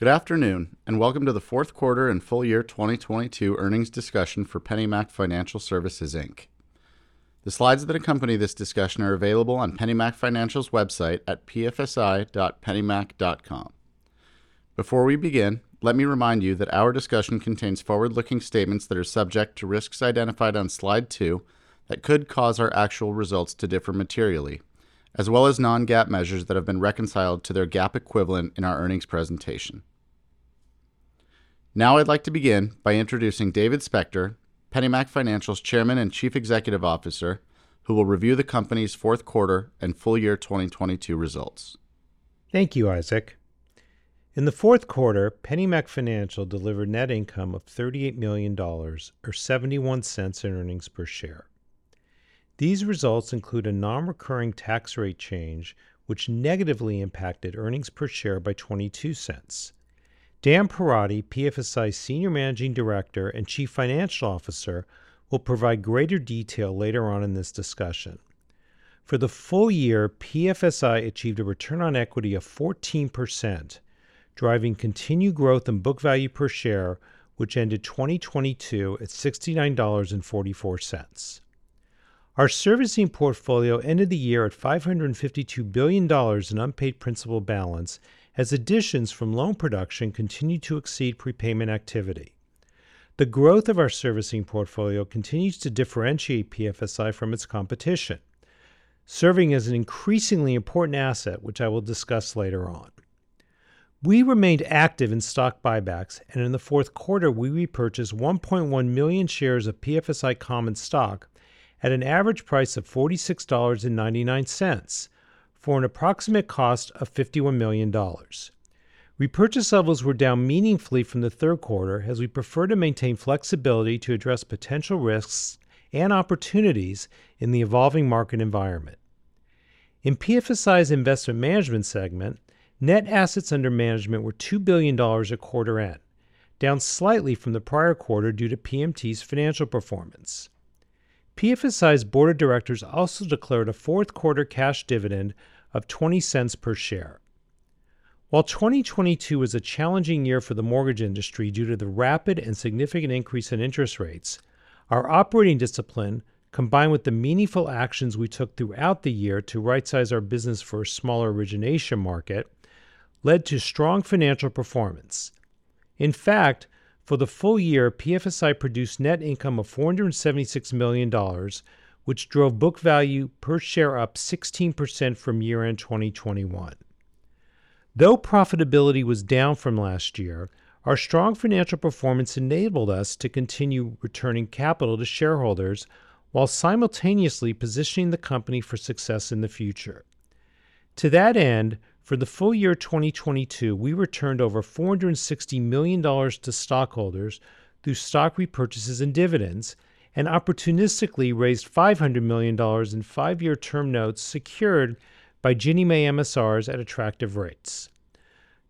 Good afternoon, and welcome to the fourth quarter and full-year 2022 earnings discussion for PennyMac Financial Services Inc. The slides that accompany this discussion are available on PennyMac Financial's website at pfsi.pennymac.com. Before we begin, let me remind you that our discussion contains forward-looking statements that are subject to risks identified on slide two that could cause our actual results to differ materially as well as non-GAAP measures that have been reconciled to their GAAP equivalent in our earnings presentation. Now I'd like to begin by introducing David Spector, PennyMac Financial's Chairman and Chief Executive Officer, who will review the company's fourth quarter and full-year 2022 results. Thank you, Isaac. In the fourth quarter, PennyMac Financial delivered net income of $38 million or $0.71 in earnings per share. These results include a non-recurring tax rate change, which negatively impacted earnings per share by $0.22. Dan Perotti, PFSI's Senior Managing Director and Chief Financial Officer, will provide greater detail later on in this discussion. For the full-year, PFSI achieved a return on equity of 14%, driving continued growth in book value per share, which ended 2022 at $69.44. Our servicing portfolio ended the year at $552 billion in unpaid principal balance as additions from loan production continued to exceed prepayment activity. The growth of our servicing portfolio continues to differentiate PFSI from its competition, serving as an increasingly important asset, which I will discuss later on. We remained active in stock buybacks. In the fourth quarter we repurchased 1.1 million shares of PFSI common stock at an average price of $46.99 for an approximate cost of $51 million. Repurchase levels were down meaningfully from the third quarter as we prefer to maintain flexibility to address potential risks and opportunities in the evolving market environment. In PFSI's investment management segment, net assets under management were $2 billion at quarter end, down slightly from the prior quarter due to PMT's financial performance. PFSI's board of directors also declared a fourth quarter cash dividend of $0.20 per share. While 2022 was a challenging year for the mortgage industry due to the rapid and significant increase in interest rates, our operating discipline, combined with the meaningful actions we took throughout the year to right-size our business for a smaller origination market, led to strong financial performance. In fact, for the full-year, PFSI produced net income of $476 million, which drove book value per share up 16% from year-end 2021. Though profitability was down from last year, our strong financial performance enabled us to continue returning capital to shareholders while simultaneously positioning the company for success in the future. To that end, for the full-year 2022, we returned over $460 million to stockholders through stock repurchases and dividends and opportunistically raised $500 million in five year term notes secured by Ginnie Mae MSRs at attractive rates.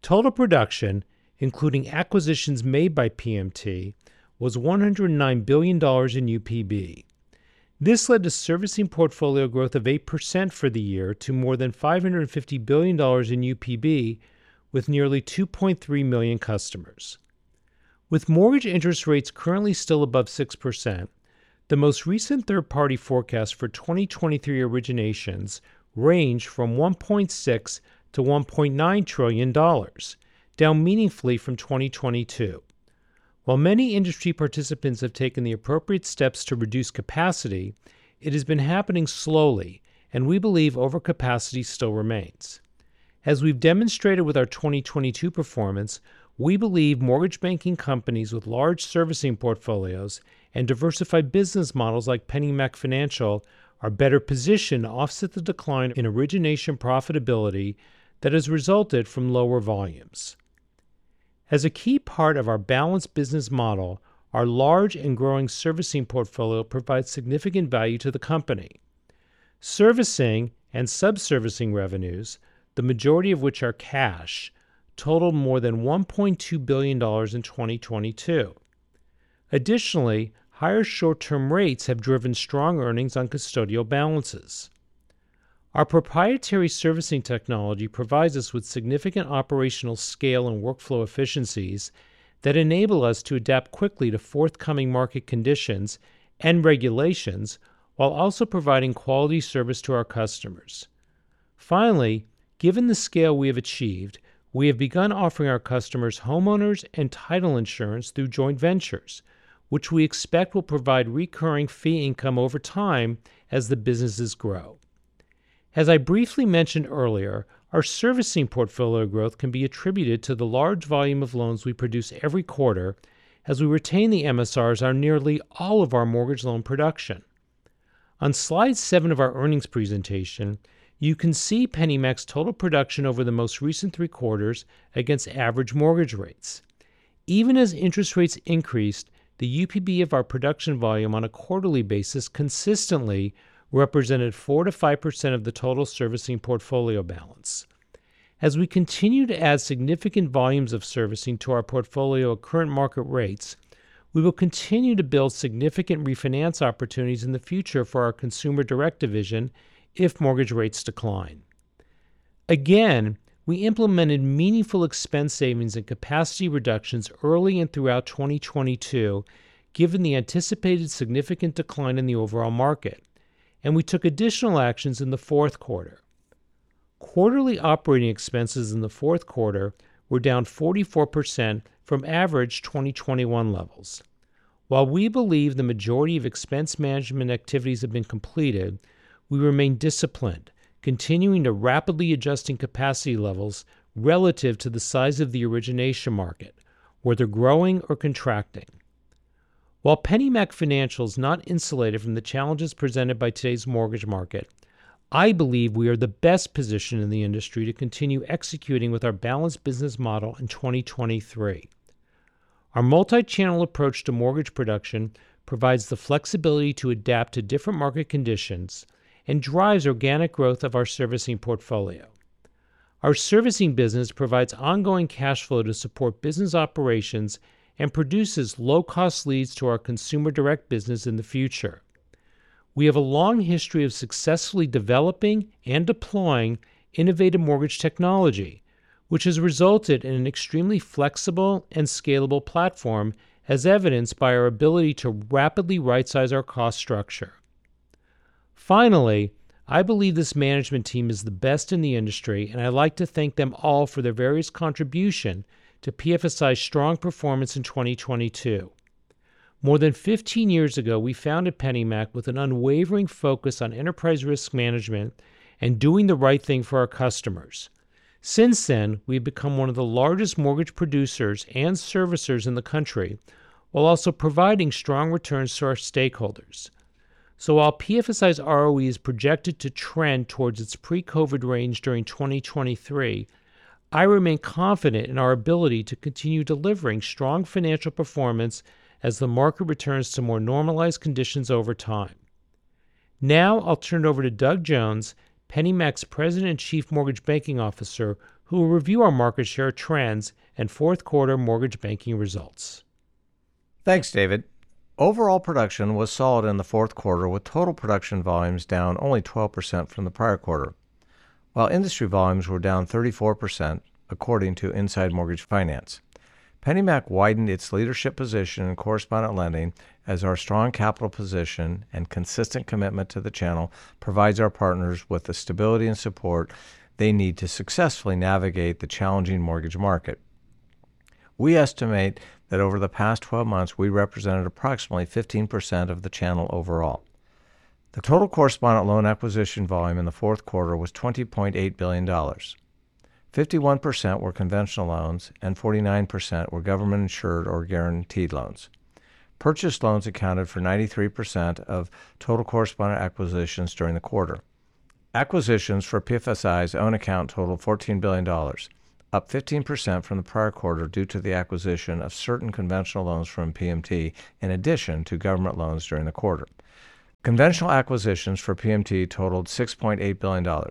Total production, including acquisitions made by PMT, was $109 billion in UPB. This led to servicing portfolio growth of 8% for the year to more than $550 billion in UPB with nearly 2.3 million customers. With mortgage interest rates currently still above 6%, the most recent third-party forecast for 2023 originations range from $1.6 trillion-$1.9 trillion, down meaningfully from 2022. While many industry participants have taken the appropriate steps to reduce capacity, it has been happening slowly, and we believe overcapacity still remains. As we've demonstrated with our 2022 performance, we believe mortgage banking companies with large servicing portfolios and diversified business models like PennyMac Financial are better positioned to offset the decline in origination profitability that has resulted from lower volumes. As a key part of our balanced business model, our large and growing servicing portfolio provides significant value to the company. Servicing and subservicing revenues, the majority of which are cash, totaled more than $1.2 billion in 2022. Additionally, higher short-term rates have driven strong earnings on custodial balances. Our proprietary servicing technology provides us with significant operational scale and workflow efficiencies that enable us to adapt quickly to forthcoming market conditions and regulations while also providing quality service to our customers. Finally, given the scale we have achieved, we have begun offering our customers homeowners and title insurance through joint ventures, which we expect will provide recurring fee income over time as the businesses grow. As I briefly mentioned earlier, our servicing portfolio growth can be attributed to the large volume of loans we produce every quarter as we retain the MSRs on nearly all of our mortgage loan production. On slide seven of our earnings presentation, you can see PennyMac's total production over the most recent three quarters against average mortgage rates. Even as interest rates increased, the UPB of our production volume on a quarterly basis consistently represented 4%-5% of the total servicing portfolio balance. As we continue to add significant volumes of servicing to our portfolio at current market rates, we will continue to build significant refinance opportunities in the future for our consumer direct division if mortgage rates decline. We implemented meaningful expense savings and capacity reductions early and throughout 2022, given the anticipated significant decline in the overall market, and we took additional actions in the fourth quarter. Quarterly operating expenses in the fourth quarter were down 44% from average 2021 levels. While we believe the majority of expense management activities have been completed, we remain disciplined, continuing to rapidly adjusting capacity levels relative to the size of the origination market, whether growing or contracting. While PennyMac Financial is not insulated from the challenges presented by today's mortgage market, I believe we are the best positioned in the industry to continue executing with our balanced business model in 2023. Our multi-channel approach to mortgage production provides the flexibility to adapt to different market conditions and drives organic growth of our servicing portfolio. Our servicing business provides ongoing cash flow to support business operations and produces low-cost leads to our consumer direct business in the future. We have a long history of successfully developing and deploying innovative mortgage technology, which has resulted in an extremely flexible and scalable platform, as evidenced by our ability to rapidly right-size our cost structure. Finally, I believe this management team is the best in the industry, and I'd like to thank them all for their various contribution to PFSI's strong performance in 2022. More than 15 years ago, we founded PennyMac with an unwavering focus on enterprise risk management and doing the right thing for our customers. Since then, we've become one of the largest mortgage producers and servicers in the country while also providing strong returns to our stakeholders. While PFSI's ROE is projected to trend towards its pre-COVID range during 2023, I remain confident in our ability to continue delivering strong financial performance as the market returns to more normalized conditions over time. I'll turn it over to Doug Jones, PennyMac's President and Chief Mortgage Banking Officer, who will review our market share trends and fourth quarter mortgage banking results. Thanks, David. Overall production was solid in the fourth quarter, with total production volumes down only 12% from the prior quarter, while industry volumes were down 34% according to Inside Mortgage Finance. PennyMac widened its leadership position in correspondent lending as our strong capital position and consistent commitment to the channel provides our partners with the stability and support they need to successfully navigate the challenging mortgage market. We estimate that over the past 12 months, we represented approximately 15% of the channel overall. The total correspondent loan acquisition volume in the fourth quarter was $20.8 billion. 51% were conventional loans, and 49% were government-insured or guaranteed loans. Purchased loans accounted for 93% of total correspondent acquisitions during the quarter. Acquisitions for PFSI's own account totaled $14 billion, up 15% from the prior quarter due to the acquisition of certain conventional loans from PMT in addition to government loans during the quarter. Conventional acquisitions for PMT totaled $6.8 billion,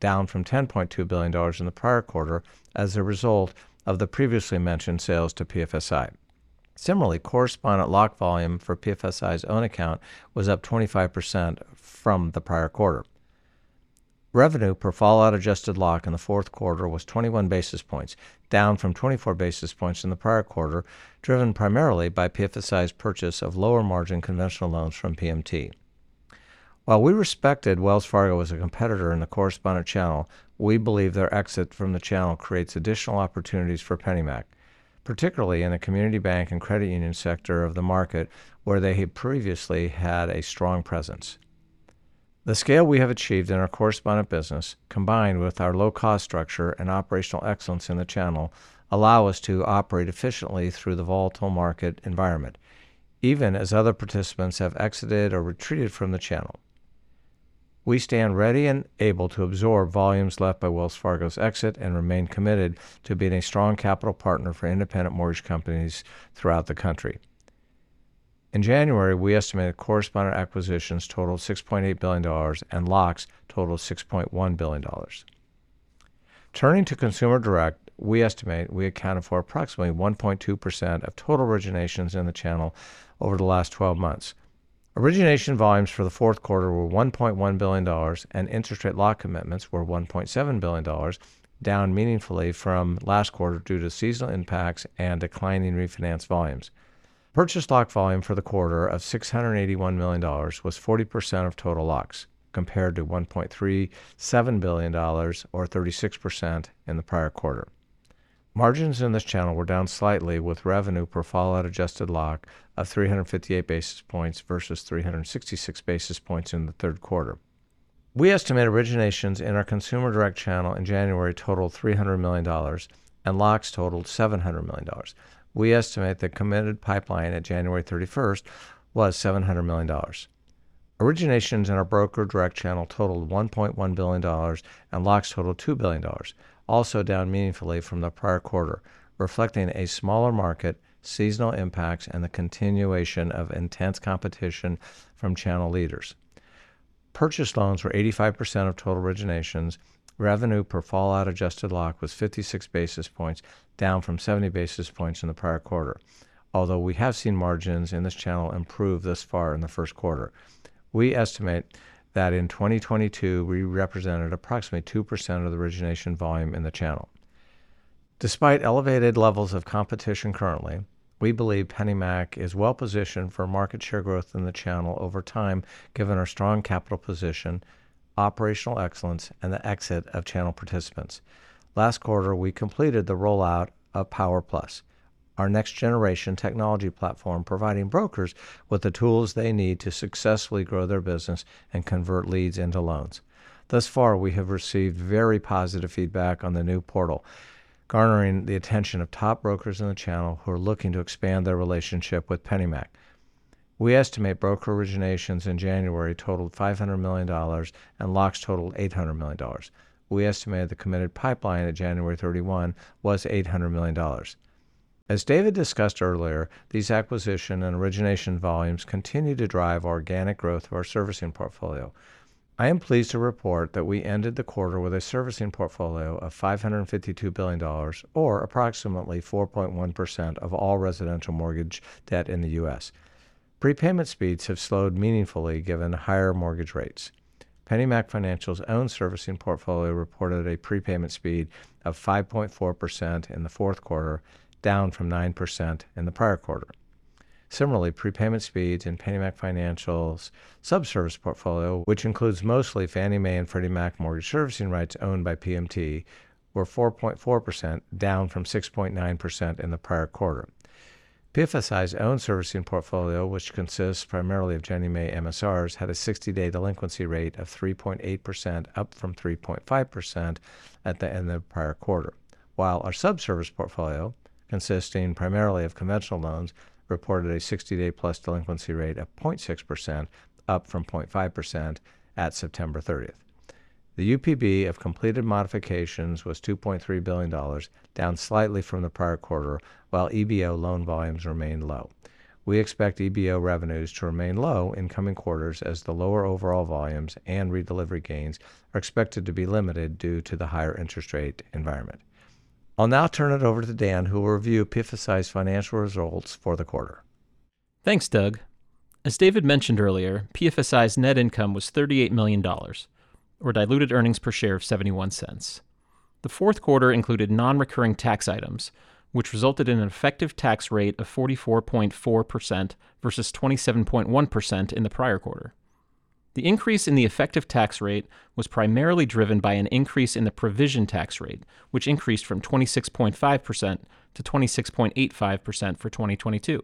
down from $10.2 billion in the prior quarter as a result of the previously mentioned sales to PFSI. Similarly, correspondent lock volume for PFSI's own account was up 25% from the prior quarter. Revenue per fallout-adjusted lock in the fourth quarter was 21 basis points, down from 24 basis points in the prior quarter, driven primarily by PFSI's purchase of lower-margin conventional loans from PMT. While we respected Wells Fargo as a competitor in the correspondent channel, we believe their exit from the channel creates additional opportunities for PennyMac, particularly in the community bank and credit union sector of the market where they had previously had a strong presence. The scale we have achieved in our correspondent business, combined with our low-cost structure and operational excellence in the channel, allow us to operate efficiently through the volatile market environment, even as other participants have exited or retreated from the channel. We stand ready and able to absorb volumes left by Wells Fargo's exit and remain committed to being a strong capital partner for independent mortgage companies throughout the country. In January, we estimated correspondent acquisitions totaled $6.8 billion and locks totaled $6.1 billion. Turning to consumer direct, we estimate we accounted for approximately 1.2% of total originations in the channel over the last 12 months. Origination volumes for the fourth quarter were $1.1 billion, and interest rate lock commitments were $1.7 billion, down meaningfully from last quarter due to seasonal impacts and declining refinance volumes. Purchased lock volume for the quarter of $681 million was 40% of total locks, compared to $1.37 billion or 36% in the prior quarter. Margins in this channel were down slightly, with revenue per fallout-adjusted lock of 358 basis points versus 366 basis points in the third quarter. We estimate originations in our consumer direct channel in January totaled $300 million, and locks totaled $700 million. We estimate the committed pipeline at January 31st was $700 million. Originations in our broker direct channel totaled $1.1 billion, and locks totaled $2 billion, also down meaningfully from the prior quarter, reflecting a smaller market, seasonal impacts, and the continuation of intense competition from channel leaders. Purchased loans were 85% of total originations. Revenue per fallout-adjusted lock was 56 basis points, down from 70 basis points in the prior quarter. Although we have seen margins in this channel improve thus far in the first quarter, we estimate that in 2022 we represented approximately 2% of the origination volume in the channel. Despite elevated levels of competition currently, we believe PennyMac is well-positioned for market share growth in the channel over time, given our strong capital position, operational excellence, and the exit of channel participants. Last quarter, we completed the rollout of POWER+, our next-generation technology platform providing brokers with the tools they need to successfully grow their business and convert leads into loans. Thus far, we have received very positive feedback on the new portal, garnering the attention of top brokers in the channel who are looking to expand their relationship with PennyMac. We estimate broker originations in January totaled $500 million and locks totaled $800 million. We estimate the committed pipeline at January 31st was $800 million. As David discussed earlier, these acquisition and origination volumes continue to drive organic growth of our servicing portfolio. I am pleased to report that we ended the quarter with a servicing portfolio of $552 billion or approximately 4.1% of all residential mortgage debt in the U.S. Prepayment speeds have slowed meaningfully given higher mortgage rates. PennyMac Financial's own servicing portfolio reported a prepayment speed of 5.4% in the fourth quarter, down from 9% in the prior quarter. Similarly, prepayment speeds in PennyMac Financial's subservice portfolio, which includes mostly Fannie Mae and Freddie Mac mortgage servicing rights owned by PMT, were 4.4%, down from 6.9% in the prior quarter. PFSI's own servicing portfolio, which consists primarily of Ginnie Mae MSRs, had a 60 day delinquency rate of 3.8%, up from 3.5% at the end of the prior quarter. While our subservice portfolio, consisting primarily of conventional loans, reported a 60day+ delinquency rate of 0.6%, up from 0.5% at September 30th. The UPB of completed modifications was $2.3 billion, down slightly from the prior quarter, while EBO loan volumes remained low. We expect EBO revenues to remain low in coming quarters as the lower overall volumes and redelivery gains are expected to be limited due to the higher interest rate environment. I'll now turn it over to Dan, who will review PFSI's financial results for the quarter. Thanks, Doug. As David mentioned earlier, PFSI's net income was $38 million or diluted earnings per share of $0.71. The fourth quarter included non-recurring tax items, which resulted in an effective tax rate of 44.4% versus 27.1% in the prior quarter. The increase in the effective tax rate was primarily driven by an increase in the provision tax rate, which increased from 26.5% to 26.85% for 2022.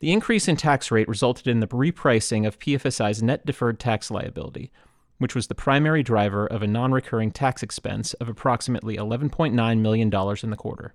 The increase in tax rate resulted in the repricing of PFSI's net deferred tax liability, which was the primary driver of a non-recurring tax expense of approximately $11.9 million in the quarter.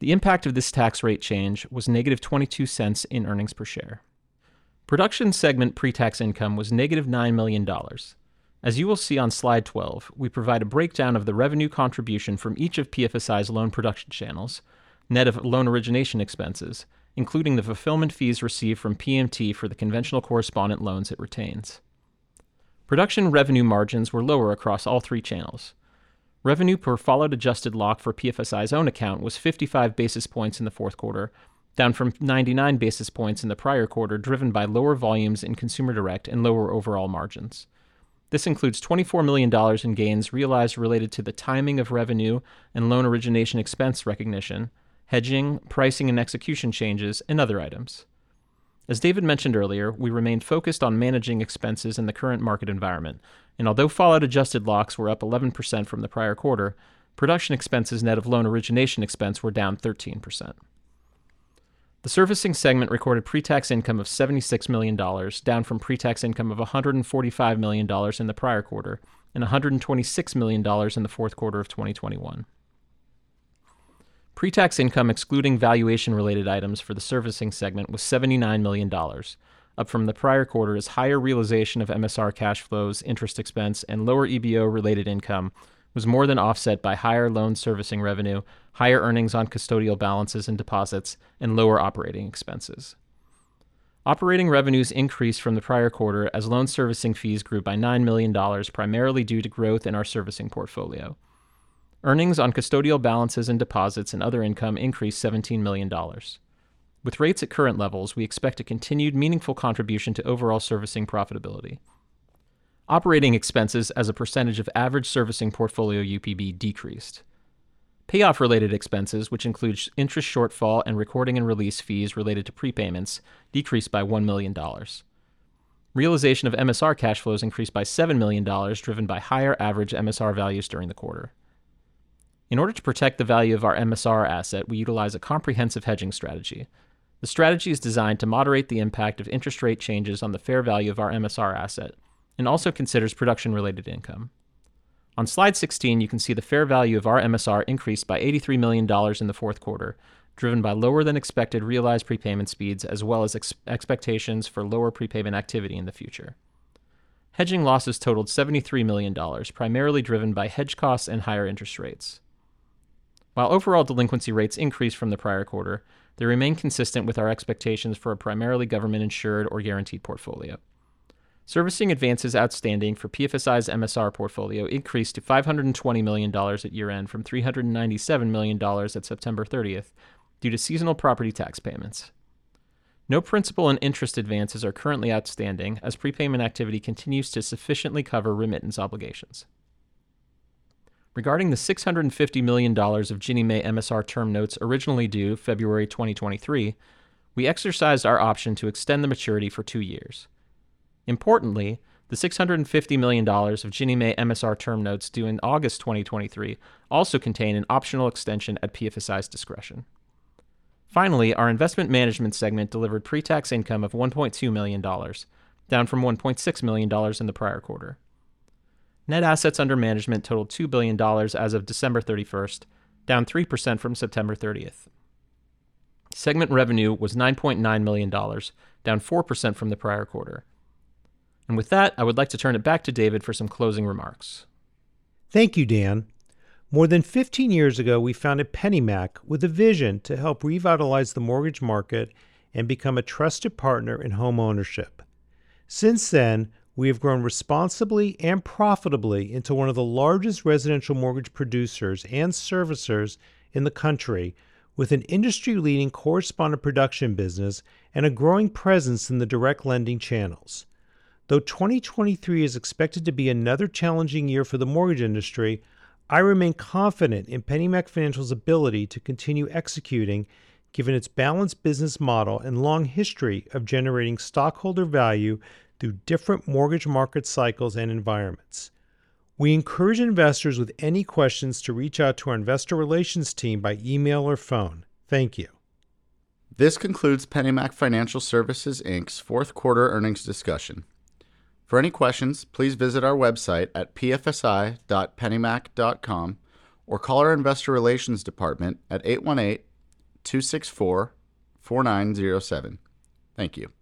The impact of this tax rate change was negative $0.22 in earnings per share. Production segment pre-tax income was negative $9 million. As you will see on slide 12, we provide a breakdown of the revenue contribution from each of PFSI's loan production channels, net of loan origination expenses, including the fulfillment fees received from PMT for the conventional correspondent loans it retains. Production revenue margins were lower across all three channels. Revenue per fallout-adjusted lock for PFSI's own account was 55 basis points in the fourth quarter, down from 99 basis points in the prior quarter, driven by lower volumes in consumer direct and lower overall margins. This includes $24 million in gains realized related to the timing of revenue and loan origination expense recognition, hedging, pricing and execution changes, and other items. As David mentioned earlier, we remain focused on managing expenses in the current market environment, and although fallout-adjusted locks were up 11% from the prior quarter, production expenses net of loan origination expense were down 13%. The servicing segment recorded pre-tax income of $76 million, down from pre-tax income of $145 million in the prior quarter and $126 million in the fourth quarter of 2021. Pre-tax income excluding valuation related items for the servicing segment was $79 million, up from the prior quarter as higher realization of MSR cash flows, interest expense, and lower EBO-related income was more than offset by higher loan servicing revenue, higher earnings on custodial balances and deposits, and lower operating expenses. Operating revenues increased from the prior quarter as loan servicing fees grew by $9 million, primarily due to growth in our servicing portfolio. Earnings on custodial balances and deposits and other income increased $17 million. With rates at current levels, we expect a continued meaningful contribution to overall servicing profitability. Operating expenses as a percentage of average servicing portfolio UPB decreased. Payoff-related expenses, which includes interest shortfall and recording and release fees related to prepayments, decreased by $1 million. Realization of MSR cash flows increased by $7 million, driven by higher average MSR values during the quarter. In order to protect the value of our MSR asset, we utilize a comprehensive hedging strategy. The strategy is designed to moderate the impact of interest rate changes on the fair value of our MSR asset and also considers production-related income. On slide 16, you can see the fair value of our MSR increased by $83 million in the fourth quarter, driven by lower-than-expected realized prepayment speeds as well as expectations for lower prepayment activity in the future. Hedging losses totaled $73 million, primarily driven by hedge costs and higher interest rates. While overall delinquency rates increased from the prior quarter, they remain consistent with our expectations for a primarily government-insured or guaranteed portfolio. Servicing advances outstanding for PFSI's MSR portfolio increased to $520 million at year-end from $397 million at September 30th due to seasonal property tax payments. No principal and interest advances are currently outstanding as prepayment activity continues to sufficiently cover remittance obligations. Regarding the $650 million of Ginnie Mae MSR term notes originally due February 2023, we exercised our option to extend the maturity for two years. Importantly, the $650 million of Ginnie Mae MSR term notes due in August 2023 also contain an optional extension at PFSI's discretion. Finally, our investment management segment delivered pre-tax income of $1.2 million, down from $1.6 million in the prior quarter. Net assets under management totaled $2 billion as of December 31st, down 3% from September 30th. Segment revenue was $9.9 million, down 4% from the prior quarter. With that, I would like to turn it back to David for some closing remarks. Thank you, Dan. More than 15 years ago, we founded PennyMac with a vision to help revitalize the mortgage market and become a trusted partner in home ownership. Since then, we have grown responsibly and profitably into one of the largest residential mortgage producers and servicers in the country, with an industry-leading correspondent production business and a growing presence in the direct lending channels. Though 2023 is expected to be another challenging year for the mortgage industry, I remain confident in PennyMac Financial's ability to continue executing given its balanced business model and long history of generating stockholder value through different mortgage market cycles and environments. We encourage investors with any questions to reach out to our investor relations team by email or phone. Thank you. This concludes PennyMac Financial Services Inc's fourth quarter earnings discussion. For any questions, please visit our website at pfsi.pennymac.com or call our investor relations department at 818-264-4907. Thank you.